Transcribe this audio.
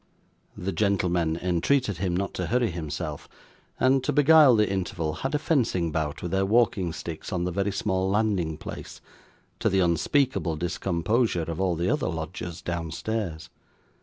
The gentlemen entreated him not to hurry himself; and, to beguile the interval, had a fencing bout with their walking sticks on the very small landing place: to the unspeakable discomposure of all the other lodgers downstairs.